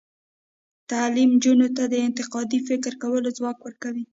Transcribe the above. تعلیم نجونو ته د انتقادي فکر کولو ځواک ورکوي.